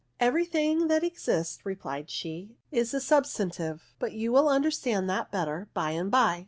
" Every thing that exists," replied she, " is a substantive ; but you will understand that better by and by."